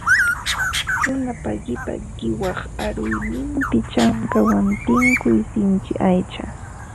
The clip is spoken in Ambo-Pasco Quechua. Runapa qipa wiqaw urayninpi chankawan tinkuq sinchi aycha